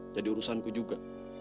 jadi urusanku juga